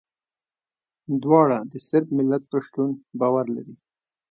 دواړه د صرب ملت پر شتون باور لري.